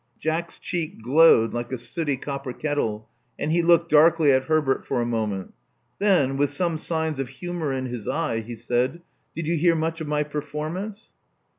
' Jack's cheek glowed like a sooty copper kettle, and he looked darkly at Herbert for a moment. Then, with some signs of humor in his eye, he said, '*Did you hear much of my performance?"